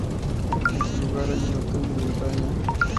En su lugar hay un hotel de montaña.